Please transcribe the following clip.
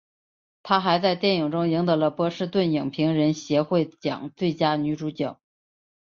她还在电影中赢得了波士顿影评人协会奖最佳女主角。